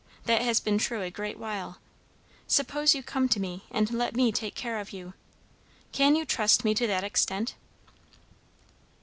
That has been true a great while. Suppose you come to me and let me take care of you. Can you trust me to that extent?"